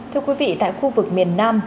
thưa quý vị tại khu vực miền nam